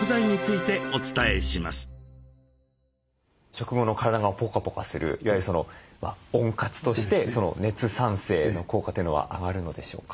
食後の体がポカポカするいわゆる温活として熱産生の効果というのは上がるのでしょうか？